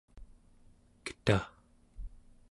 ketaᵉ